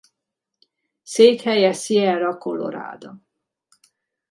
Székhelye Sierra Colorada.